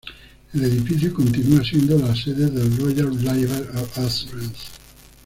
El edificio continúa siendo la sede de Royal Liver Assurance.